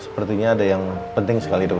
sepertinya ada yang penting sekali dok